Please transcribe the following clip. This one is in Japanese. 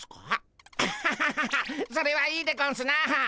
アハハハそれはいいでゴンスな。